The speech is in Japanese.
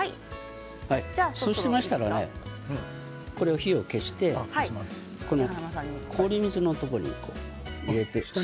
そうしましたら火を消して氷水のところに入れて。